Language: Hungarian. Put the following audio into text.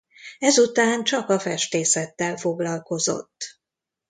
Ezután csak a festészettel foglalkozott.